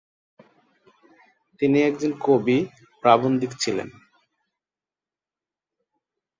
তিনি একজন কবি, প্রাবন্ধিক ছিলেন।